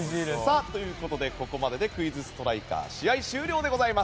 ここまででクイズストライカー試合終了でございます。